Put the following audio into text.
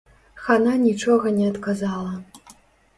Хана нічога не адказала.